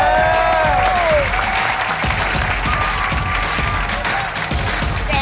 โอเค